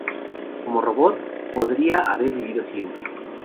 Como robot, podría haber vivido siempre.